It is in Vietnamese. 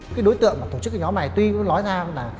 cái đối tượng mà tổ chức cái nhóm này tuy mới nói ra là